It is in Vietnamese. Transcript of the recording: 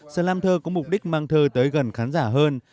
slam thơ có mục đích mang thơ tới gần khán giả hơn